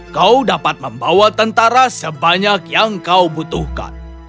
kau dapat membawa tentara sebanyak yang kau butuhkan